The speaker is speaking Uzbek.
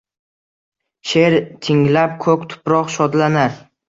Sheʼr tinglab koʼk, tuproq shodlanar.